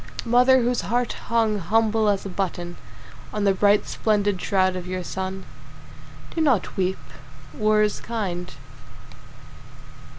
Mother whose heart hung humble as a button On the bright splendid shroud of your son, Do not weep. War is kind.